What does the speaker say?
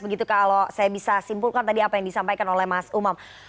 begitu kalau saya bisa simpulkan tadi apa yang disampaikan oleh mas umam